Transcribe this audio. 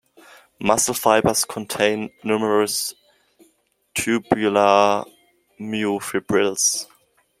Muscle fibers contain numerous tubular myofibrils.